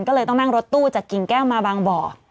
ก็เลยต้องนั่งรถตู้จากกิ่งแก้วมาบางบ่อ